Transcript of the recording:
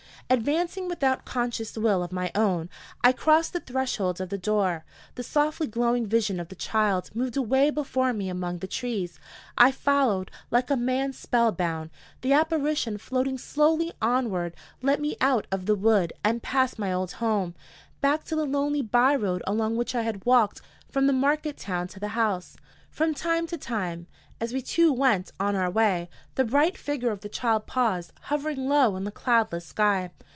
Advancing without conscious will of my own, I crossed the threshold of the door. The softly glowing vision of the child moved away before me among the trees. I followed, like a man spellbound. The apparition, floating slowly onward, led me out of the wood, and past my old home, back to the lonely by road along which I had walked from the market town to the house. From time to time, as we two went on our way, the bright figure of the child paused, hovering low in the cloudless sky.